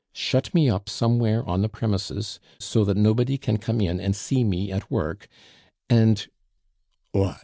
Shut me up somewhere on the premises, so that nobody can come in and see me at work, and " "What?